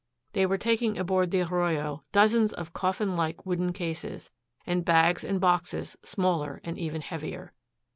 They were taking aboard the Arroyo dozens of coffin like wooden cases, and bags and boxes, smaller and even heavier.